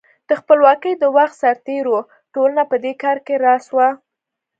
د خپلواکۍ د وخت سرتېرو ټولنه په دې کار کې راس وه.